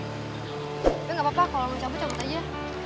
tapi gapapa kalau mau campur campur aja